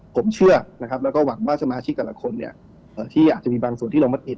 ผมเชื่อและหวังว่าสมาชิกกละละคนที่อาจจะมีบางส่วนที่ลงมาติด